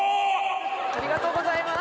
ありがとうございます